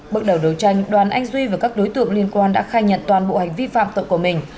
bước đầu đấu tranh đoàn anh duy và các đối tượng liên quan đã khai nhận toàn bộ hành vi phạm tội của mình